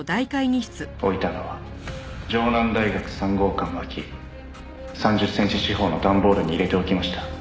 「置いたのは城南大学３号館脇」「３０センチ四方の段ボールに入れておきました」